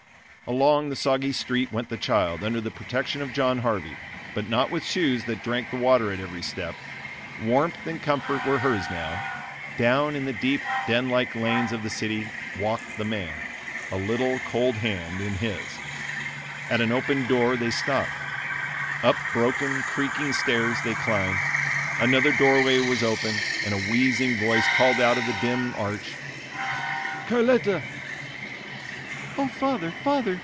Along the soggy street went the child, under the protection of John Harvey, but not with shoes that drank the water at every step. Warmth and comfort were hers now. Down in the deep den like lanes of the city walked the man, a little cold hand in his. At an open door they stopped; up broken, creaking stairs they climbed. Another doorway was opened, and a wheezing voice called out of the dim arch, "Carletta!" "O Father! Father!